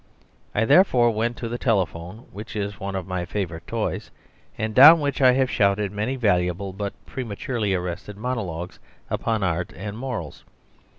I therefore went to the telephone, which is one of my favourite toys, and down which I have shouted many valuable, but prematurely arrested, monologues upon art and morals.